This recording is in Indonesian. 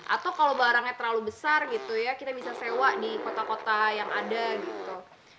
atau kalau barangnya terlalu besar gitu ya kita bisa sewa di kota kota yang ada gitu